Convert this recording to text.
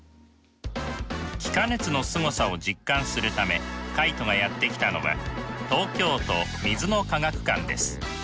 気化熱のすごさを実感するためカイトがやって来たのは東京都水の科学館です。